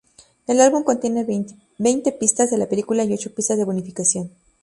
El álbum contiene veinte pistas de la película y ocho pistas de bonificación.